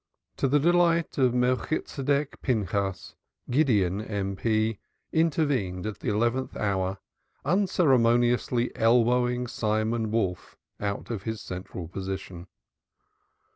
To the delight of Melchitsedek Pinchas, Gideon, M.P., intervened at the eleventh hour, unceremoniously elbowing Simon Wolf out of his central position.